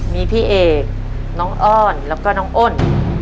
มีพี่เอกน้องอ้อนแล้วก็น้องอ้น